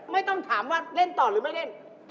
ไม่ต้องถามว่าเล่นต่อหรือไม่เล่น